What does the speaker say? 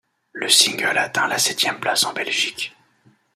Le single atteint la septième place en Belgique.